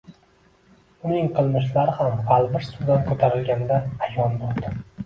Uning qilmishlari ham g`alvir suvdan ko`tarilganda ayon bo`ldi